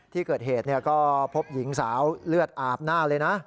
ที่เกิดเหตุก็พบหญิงสาวเลือดอาบหน้าเลยนะ